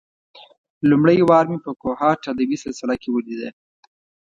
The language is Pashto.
لومړۍ وار مې په کوهاټ ادبي سلسله کې ولېده.